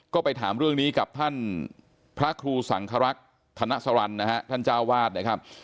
ก็ไปถามเรื่องนี้กับท่านพระครูสังครักษ์ธนสรรค์นะฮะท่านเจ้าวาดนะครับ